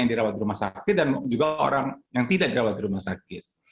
yang dirawat di rumah sakit dan juga orang yang tidak dirawat di rumah sakit